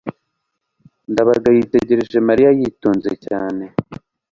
ndabaga yitegereje mariya yitonze cyane